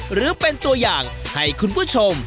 หรือเป็นตัวอย่างให้คุณผู้ชม